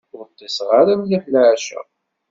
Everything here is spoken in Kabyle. Ur ṭṭiseɣ ara mliḥ leɛca.